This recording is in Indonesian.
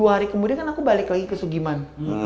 sepuluh hari kemudian kan aku balik lagi ke sugiman